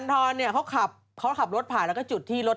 ไฟกระพริบ